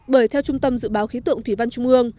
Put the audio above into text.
bởi theo trung tâm dự báo khí tượng thủy văn trung ương